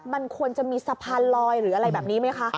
มันควรจะมีสะพานลอยหรืออะไรแบบนี้ไหมคะ